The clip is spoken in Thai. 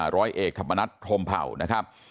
ร้อยเอกธรรมนัฐพรมเผ่านะครับ